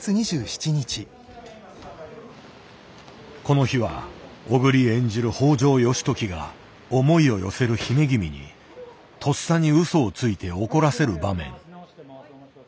この日は小栗演じる北条義時が思いを寄せる姫君にとっさに嘘をついて怒らせる場面。